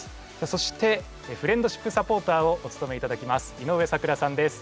そしてフレンドシップサポーターをおつとめいただきます井上咲楽さんです。